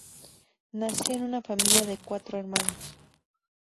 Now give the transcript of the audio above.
Nació en una familia de cuatro hermanos.